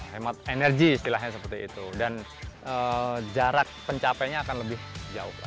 hemat energi istilahnya seperti itu dan jarak pencapaiannya akan lebih jauh